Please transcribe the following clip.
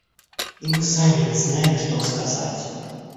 И мы сами не знаем, что сказать.